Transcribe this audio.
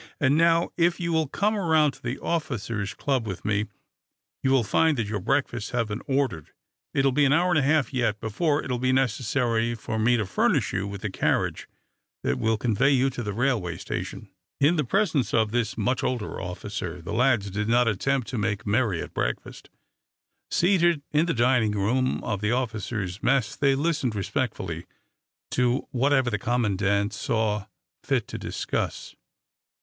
And now, if you will come around to the officers' club with me, you will find that your breakfasts have been ordered. It will be an hour and a half, yet, before it will be necessary for me to furnish you with the carriage that will convey you to the railway station." In the presence of this much older officer the lads did not attempt to make too merry at breakfast. Seated in the dining room of the officers' mess, they listened respectfully to whatever the commandant saw fit to discuss.